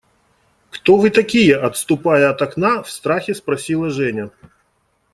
Кто вы такие? – отступая от окна, в страхе спросила Женя.